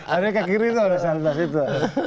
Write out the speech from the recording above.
adanya ke kiri itu lalu lintas itu